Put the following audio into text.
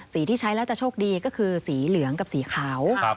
ที่ใช้แล้วจะโชคดีก็คือสีเหลืองกับสีขาว